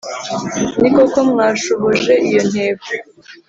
ni koko mwashohoje iyo ntego